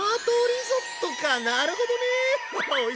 なるほどね！